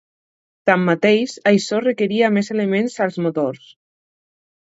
Tanmateix, això requeria més elements als motors.